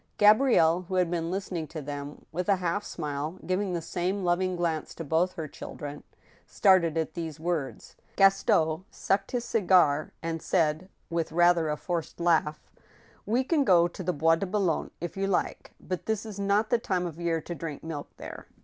Gabrielle, who had been hstening to them with a half smile, giv ing the same loving glance to both her children, started at these words. Gaston sucked his cigar, and said, with rather a forced laugh :" We can go to the Bois de Boulogne, if you like. But this is not the time of year to drink milk there."